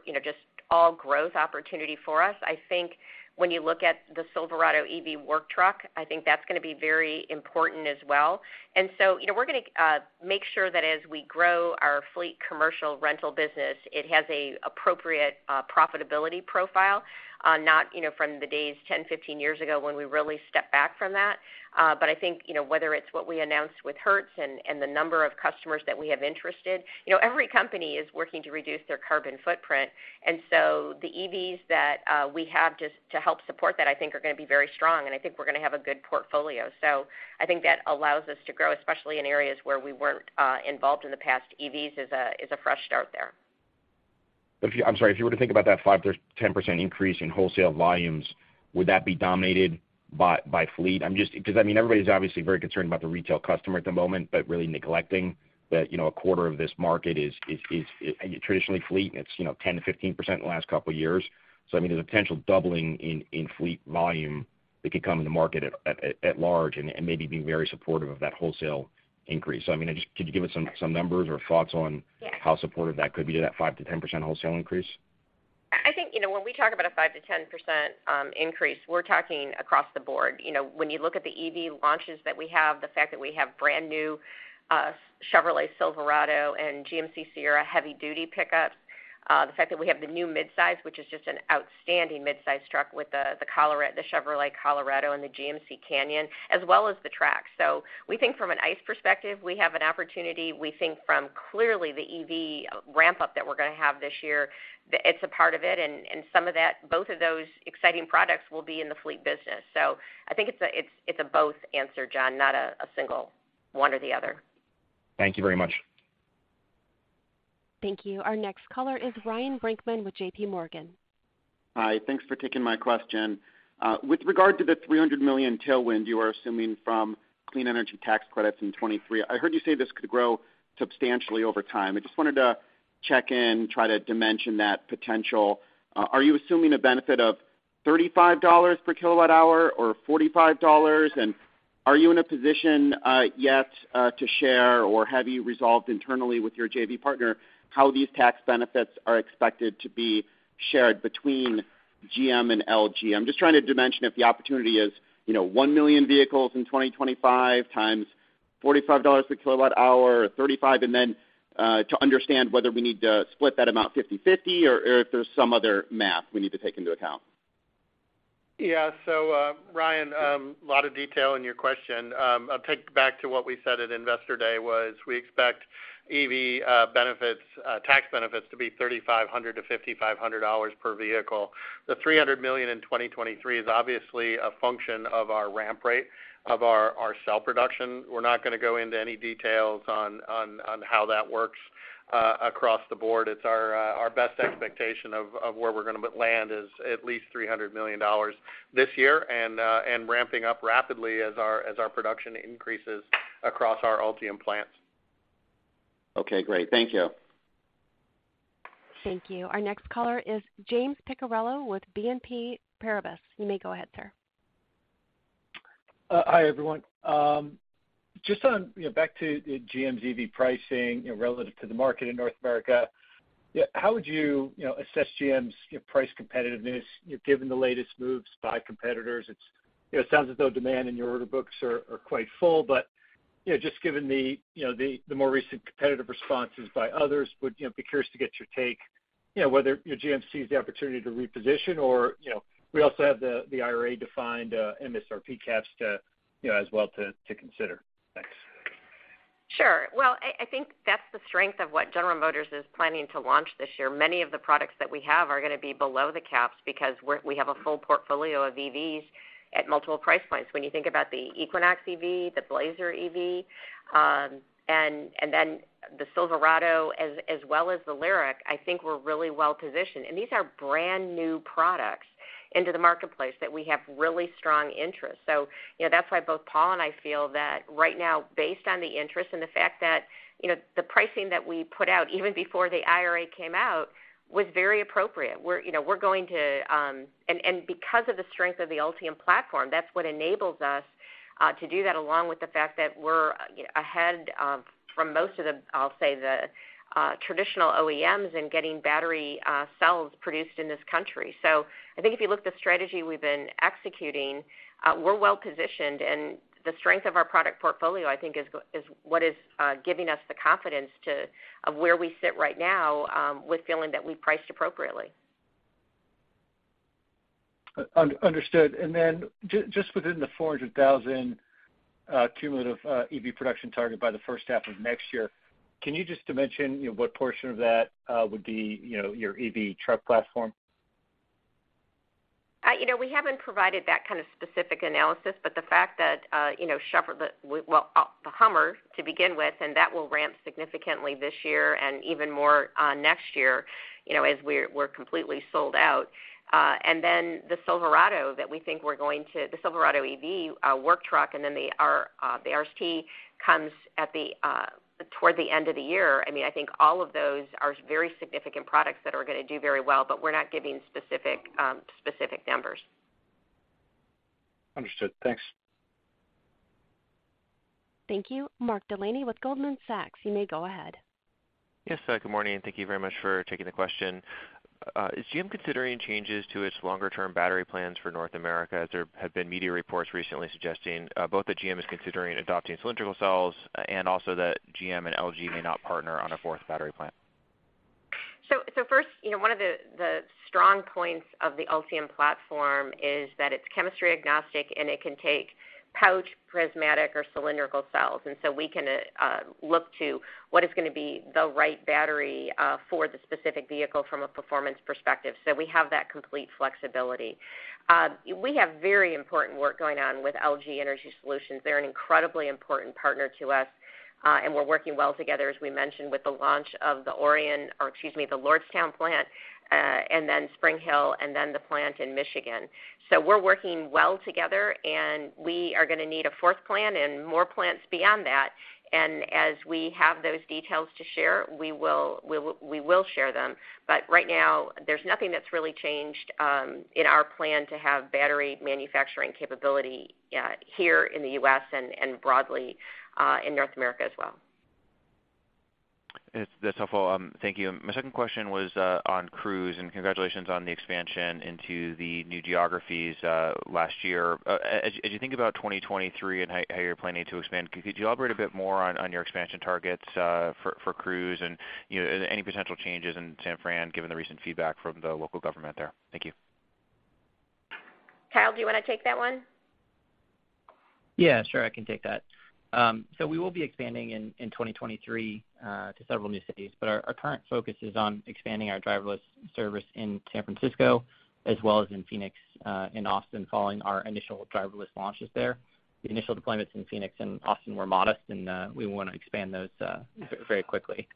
you know, just all growth opportunity for us. I think when you look at the Silverado EV work truck, I think that's gonna be very important as well. you know, we're gonna make sure that as we grow our fleet commercial rental business, it has a appropriate profitability profile, not, you know, from the days 10, 15 years ago, when we really stepped back from that. I think, you know, whether it's what we announced with Hertz and the number of customers that we have interested, you know, every company is working to reduce their carbon footprint. The EVs that, we have just to help support that, I think are gonna be very strong, and I think we're gonna have a good portfolio. I think that allows us to grow, especially in areas where we weren't, involved in the past. EVs is a fresh start there. I'm sorry. If you were to think about that 5%-10% increase in wholesale volumes, would that be dominated by fleet? 'Cause I mean, everybody's obviously very concerned about the retail customer at the moment, but really neglecting that, you know, 1/4 of this market is traditionally fleet and it's, you know, 10%-15% the last couple years. I mean, there's a potential doubling in fleet volume that could come in the market at large and maybe be very supportive of that wholesale increase. I mean, could you give us some numbers or thoughts on how supportive that could be to that 5%-10% wholesale increase? I think, you know, when we talk about a 5%-10% increase, we're talking across the board. When you look at the EV launches that we have, the fact that we have brand-new Chevrolet Silverado and GMC Sierra heavy-duty pickups, the fact that we have the new midsize, which is just an outstanding midsize truck with the Chevrolet Colorado and the GMC Canyon, as well as the Trax. We think from an ICE perspective, we have an opportunity. We think from clearly the EV ramp-up that we're gonna have this year, it's a part of it, and some of that, both of those exciting products will be in the fleet business. I think it's a both answer, John, not a single one or the other. Thank you very much. Thank you. Our next caller is Ryan Brinkman with JPMorgan. Hi. Thanks for taking my question. With regard to the $300 million tailwind you are assuming from clean energy tax credits in 2023, I heard you say this could grow substantially over time. I just wanted to check in, try to dimension that potential. Are you assuming a benefit of $35 per kWh or $45? Are you in a position yet to share, or have you resolved internally with your JV partner how these tax benefits are expected to be shared between GM and LG? I'm just trying to dimension if the opportunity is, you know, 1 million vehicles in 2025 times $45 per kWh or $35, to understand whether we need to split that amount 50/50 or if there's some other math we need to take into account. Yeah. Ryan, a lot of detail in your question. I'll take it back to what we said at Investor Day, was we expect EV benefits, tax benefits to be $3,500-$5,500 per vehicle. The $300 million in 2023 is obviously a function of our ramp rate of our cell production. We're not gonna go into any details on how that works across the board. It's our best expectation of where we're gonna land is at least $300 million this year and ramping up rapidly as our production increases across our Ultium plants. Okay, great. Thank you. Thank you. Our next caller is James Picariello with BNP Paribas. You may go ahead, sir. Hi, everyone. Just on, you know, back to the GM EV pricing, you know, relative to the market in North America, yeah, how would you know, assess GM's, you know, price competitiveness, you know, given the latest moves by competitors? It's, you know, it sounds as though demand in your order books are quite full, but, you know, just given the, you know, the more recent competitive responses by others, would, you know, be curious to get your take, you know, whether, you know, GMC has the opportunity to reposition or, you know, we also have the IRA-defined MSRP caps to, you know, as well to consider. Thanks. Sure. Well, I think that's the strength of what General Motors is planning to launch this year. Many of the products that we have are gonna be below the caps because we have a full portfolio of EVs at multiple price points. When you think about the Equinox EV, the Blazer EV, and then the Silverado as well as the LYRIQ, I think we're really well-positioned. These are brand-new products into the marketplace that we have really strong interest. You know, that's why both Paul and I feel that right now, based on the interest and the fact that, you know, the pricing that we put out even before the IRA came out was very appropriate. We're, you know, we're going to. Because of the strength of the Ultium platform, that's what enables us to do that, along with the fact that we're, you know, ahead from most of the, I'll say, the traditional OEMs in getting battery cells produced in this country. I think if you look at the strategy we've been executing, we're well-positioned, and the strength of our product portfolio, I think, is what is giving us the confidence to, of where we sit right now, with feeling that we priced appropriately. Understood. Just within the 400,000 cumulative EV production target by the first half of next year, can you just dimension, you know, what portion of that would be, you know, your EV truck platform? You know, we haven't provided that kind of specific analysis, but the fact that, you know, Chevrolet, well, the HUMMER to begin with, and that will ramp significantly this year and even more next year, you know, as we're completely sold out. Then the Silverado that we think we're going to, the Silverado EV, work truck, and then the RST comes at the toward the end of the year. I mean, I think all of those are very significant products that are gonna do very well, but we're not giving specific numbers. Understood. Thanks. Thank you. Mark Delaney with Goldman Sachs, you may go ahead. Yes, good morning, and thank you very much for taking the question. Is GM considering changes to its longer-term battery plans for North America, as there have been media reports recently suggesting both that GM is considering adopting cylindrical cells and also that GM and LG may not partner on a fourth battery plant? First, you know, one of the strong points of the Ultium platform is that it's chemistry agnostic, and it can take pouch, prismatic, or cylindrical cells. We can look to what is gonna be the right battery for the specific vehicle from a performance perspective. We have that complete flexibility. We have very important work going on with LG Energy Solution. They're an incredibly important partner to us, and we're working well together, as we mentioned, with the launch of the Orion, or excuse me, the Lordstown plant, and then Spring Hill, and then the plant in Michigan. We're working well together, and we are gonna need a fourth plant and more plants beyond that. As we have those details to share, we will share them. Right now, there's nothing that's really changed, in our plan to have battery manufacturing capability, here in the U.S. and broadly, in North America as well. That's helpful. Thank you. My second question was on Cruise. Congratulations on the expansion into the new geographies last year. As you think about 2023 and how you're planning to expand, could you elaborate a bit more on your expansion targets for Cruise and, you know, any potential changes in San Fran, given the recent feedback from the local government there? Thank you. Kyle, do you want to take that one? Yeah, sure. I can take that. We will be expanding in 2023 to several new cities, but our current focus is on expanding our driverless service in San Francisco as well as in Phoenix and Austin following our initial driverless launches there. The initial deployments in Phoenix and Austin were modest and we want to expand those very quickly.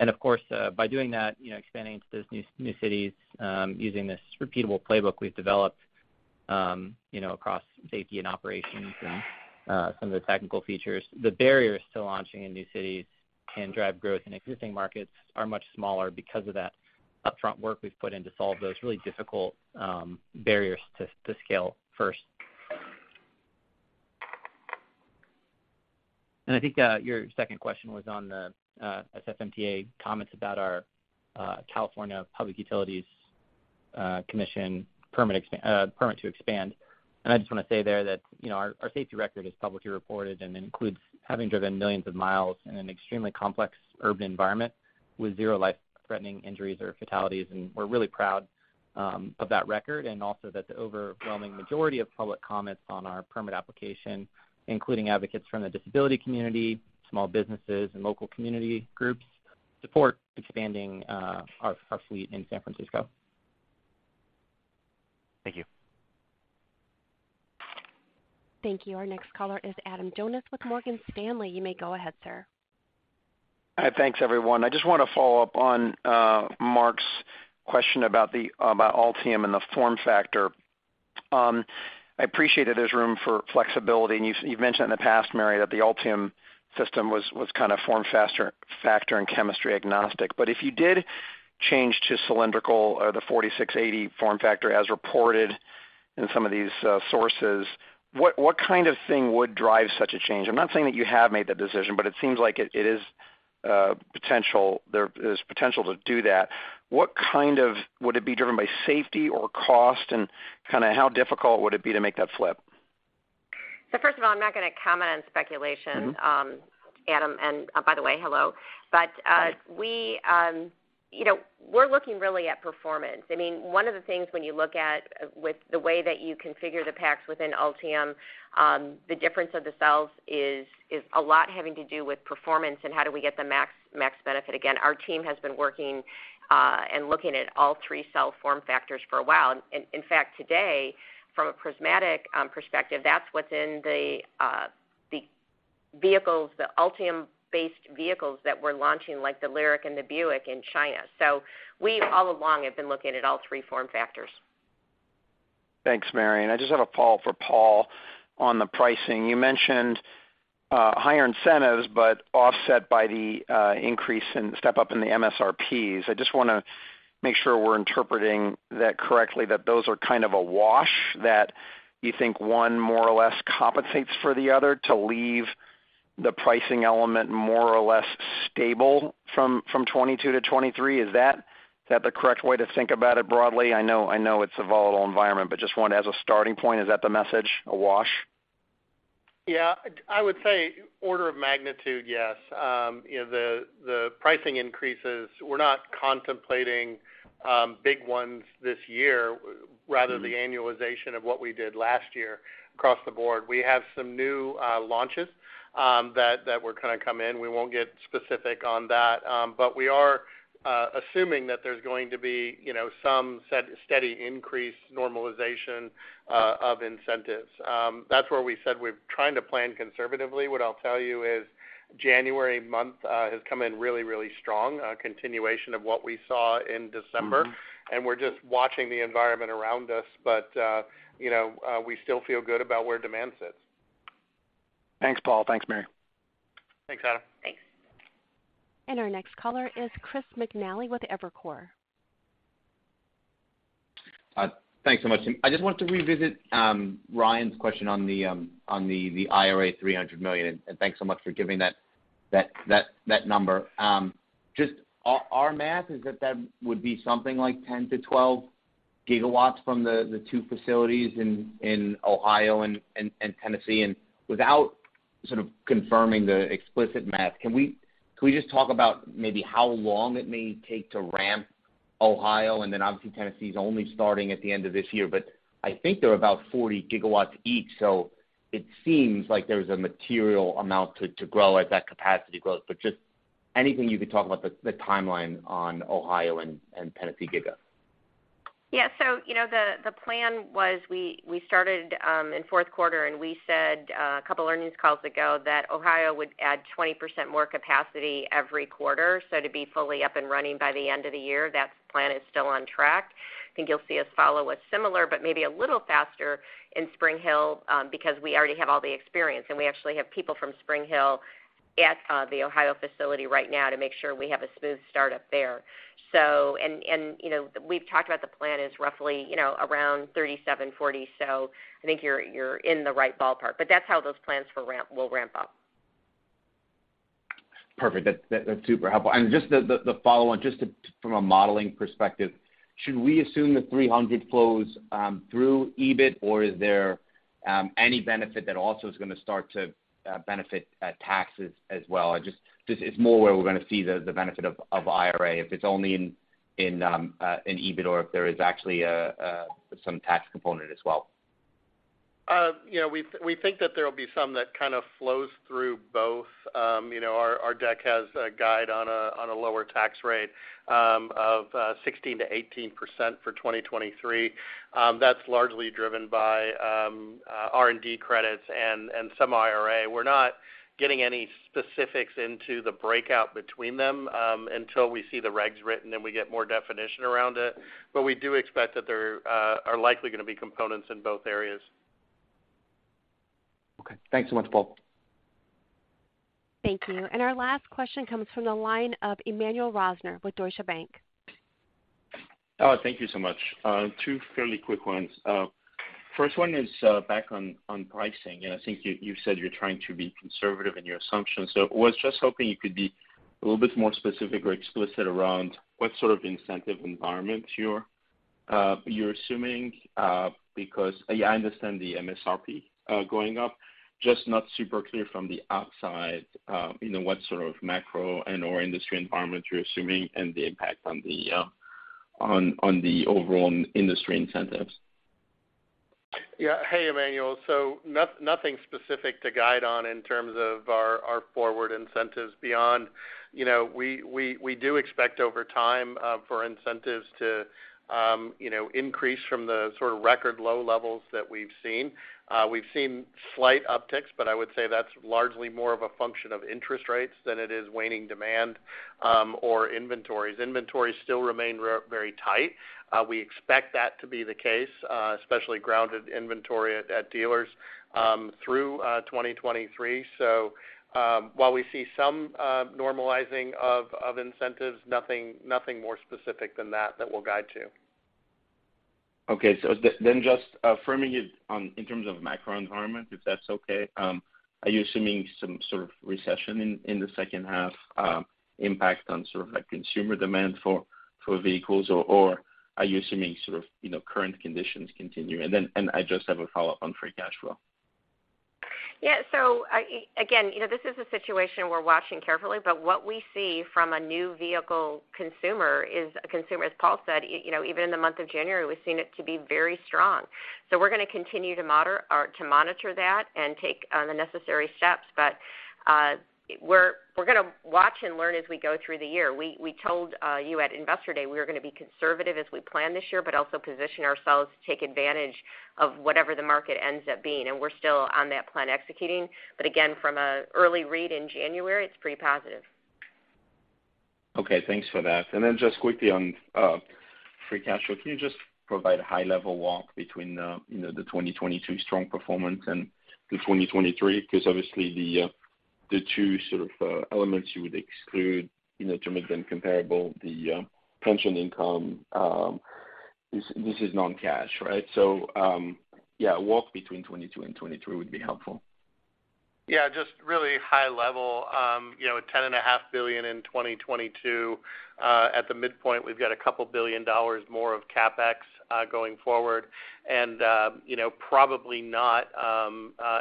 Of course, by doing that, you know, expanding into those new cities, using this repeatable playbook we've developed, you know, across safety and operations and some of the technical features, the barriers to launching in new cities can drive growth in existing markets are much smaller because of that upfront work we've put in to solve those really difficult barriers to scale first. I think, your second question was on the SFMTA comments about our California Public Utilities Commission permit to expand. I just want to say there that, you know, our safety record is publicly reported and includes having driven millions of miles in an extremely complex urban environment with zero life-threatening injuries or fatalities. We're really proud of that record and also that the overwhelming majority of public comments on our permit application, including advocates from the disability community, small businesses and local community groups support expanding our fleet in San Francisco. Thank you. Thank you. Our next caller is Adam Jonas with Morgan Stanley. You may go ahead, sir. Hi. Thanks, everyone. I just want to follow up on Mark's question about Ultium and the form factor. I appreciated there's room for flexibility. You've mentioned in the past, Mary, that the Ultium system was kind of form factor and chemistry agnostic. If you did change to cylindrical or the 4680 form factor as reported in some of these sources, what kind of thing would drive such a change? I'm not saying that you have made that decision, but it seems like it is potential. There is potential to do that. Would it be driven by safety or cost? Kind of how difficult would it be to make that flip? First of all, I'm not going to comment on speculation. Adam, and by the way, hello. We, you know, we're looking really at performance. I mean, one of the things when you look at with the way that you configure the packs within Ultium, the difference of the cells is a lot having to do with performance and how do we get the max benefit. Again, our team has been working and looking at all three cell form factors for a while. In fact, today, from a prismatic perspective, that's what's in the vehicles, the Ultium-based vehicles that we're launching like the LYRIQ and the Buick in China. We all along have been looking at all three form factors. Thanks, Mary. I just have a follow-up for Paul on the pricing. You mentioned higher incentives but offset by the increase in step up in the MSRPs. I just wanna make sure we're interpreting that correctly, that those are kind of a wash that you think one more or less compensates for the other to leave the pricing element more or less stable from 2022-2023. Is that the correct way to think about it broadly? I know it's a volatile environment, but just want as a starting point, is that the message a wash? Yeah. I would say order of magnitude, yes. You know, the pricing increases, we're not contemplating big ones this year. Rather the annualization of what we did last year across the board. We have some new launches that will kind of come in. We won't get specific on that. We are assuming that there's going to be, you know, some steady increase normalization of incentives. That's where we said we're trying to plan conservatively. What I'll tell you is January month has come in really, really strong, a continuation of what we saw in December. We're just watching the environment around us. You know, we still feel good about where demand sits. Thanks, Paul. Thanks, Mary. Thanks, Adam. Thanks. Our next caller is Chris McNally with Evercore. Thanks so much. I just wanted to revisit Ryan's question on the IRA $300 million. Thanks so much for giving that number. Our math is that that would be something like 10 GW-12 GW from the two facilities in Ohio and Tennessee. Without confirming the explicit math, can we just talk about maybe how long it may take to ramp Ohio? Then obviously Tennessee is only starting at the end of this year. I think they're about 40 GW each. It seems like there's a material amount to grow at that capacity growth. Anything you could talk about the timeline on Ohio and Tennessee giga. Yeah. You know, the plan was we started in fourth quarter and we said a couple earnings calls ago that Ohio would add 20% more capacity every quarter. To be fully up and running by the end of the year. That plan is still on track. I think you'll see us follow a similar but maybe a little faster in Spring Hill because we already have all the experience and we actually have people from Spring Hill at the Ohio facility right now to make sure we have a smooth start up there. You know, we've talked about the plan is roughly, you know, around 37, 40. I think you're in the right ballpark, but that's how those plans will ramp up. Perfect. That's super helpful. Just the follow on, just from a modeling perspective, should we assume the 300 flows through EBIT or is there any benefit that also is going to start to benefit taxes as well. Just it's more where we're going to see the benefit of IRA, if it's only in EBIT or if there is actually some tax component as well. You know, we think that there will be some that kind of flows through both. You know, our deck has a guide on a lower tax rate of 16%-18% for 2023. That's largely driven by R&D credits and some IRA. We're not getting any specifics into the breakout between them until we see the regs written, and we get more definition around it. We do expect that there are likely going to be components in both areas. Okay. Thanks so much, Paul. Thank you. Our last question comes from the line of Emmanuel Rosner with Deutsche Bank. Oh, thank you so much. Two fairly quick ones. First one is back on pricing. I think you said you're trying to be conservative in your assumptions. Was just hoping you could be a little bit more specific or explicit around what sort of incentive environment you're assuming? I understand the MSRP, going up, just not super clear from the outside, you know, what sort of macro and/or industry environment you're assuming and the impact on the, on the overall industry incentives. Hey, Emmanuel. Nothing specific to guide on in terms of our forward incentives beyond, you know, we, we do expect over time, for incentives to, you know, increase from the sort of record low levels that we've seen. We've seen slight upticks, but I would say that's largely more of a function of interest rates than it is waning demand, or inventories. Inventories still remain very tight. We expect that to be the case, especially grounded inventory at dealers, through 2023. While we see some normalizing of incentives, nothing more specific than that we'll guide to. Okay. Then just affirming it on, in terms of macro environment, if that's okay. Are you assuming some sort of recession in the second half, impact on sort of like consumer demand for vehicles? Or are you assuming sort of, you know, current conditions continuing? I just have a follow-up on free cash flow. Yeah. Again, you know, this is a situation we're watching carefully, but what we see from a new vehicle consumer is a consumer, as Paul said, you know, even in the month of January, we've seen it to be very strong. We're going to continue to monitor that and take the necessary steps. We're gonna watch and learn as we go through the year. We told you at Investor Day, we are gonna be conservative as we plan this year, but also position ourselves to take advantage of whatever the market ends up being, and we're still on that plan executing. Again, from an early read in January, it's pretty positive. Okay, thanks for that. Then just quickly on, free cash flow. Can you just provide a high-level walk between, you know, the 2022 strong performance and the 2023? 'Cause obviously the two sort of, elements you would exclude, you know, to make them comparable, the pension income, this is non-cash, right? So, yeah, walk between 2022 and 2023 would be helpful. Yeah, just really high level. You know, $10.5 billion in 2022. At the midpoint, we've got a couple billion dollars more of CapEx, going forward and, you know, probably not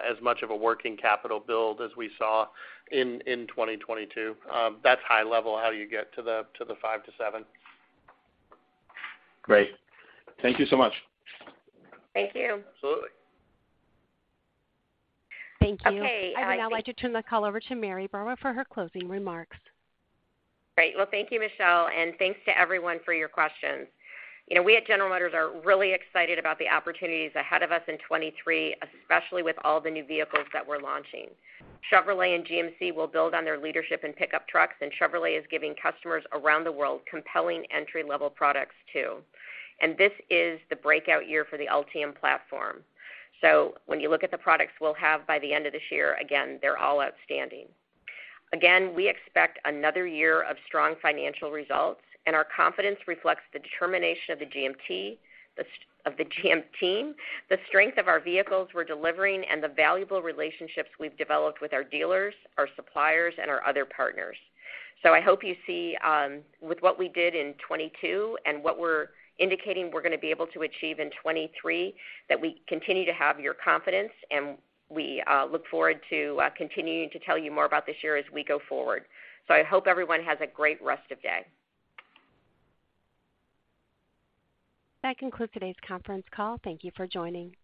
as much of a working capital build as we saw in 2022. That's high level, how you get to the $5 billion-$7 billion. Great. Thank you so much. Thank you. Absolutely. Thank you. I'd now like to turn the call over to Mary Barra for her closing remarks. Great. Well, thank you, Michelle. Thanks to everyone for your questions. You know, we at General Motors are really excited about the opportunities ahead of us in 2023, especially with all the new vehicles that we're launching. Chevrolet and GMC will build on their leadership in pickup trucks. Chevrolet is giving customers around the world compelling entry-level products too. This is the breakout year for the Ultium platform. When you look at the products we'll have by the end of this year, again, they're all outstanding. We expect another year of strong financial results. Our confidence reflects the determination of the GM team, the strength of our vehicles we're delivering, and the valuable relationships we've developed with our dealers, our suppliers, and our other partners. I hope you see, with what we did in 2022 and what we're indicating we're gonna be able to achieve in 2023, that we continue to have your confidence, and we look forward to continuing to tell you more about this year as we go forward. I hope everyone has a great rest of day. That concludes today's conference call. Thank you for joining.